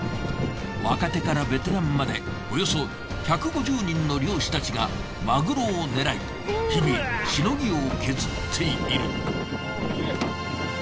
若手からベテランまでおよそ１５０人の漁師たちがマグロを狙い日々しのぎを削っている。